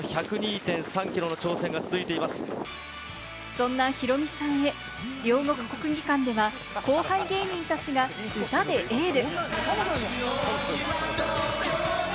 そんなヒロミさんへ、両国国技館では後輩芸人たちが歌でエール。